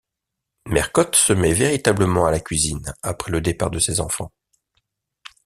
Mercotte se met véritablement à la cuisine après le départ de ses enfants.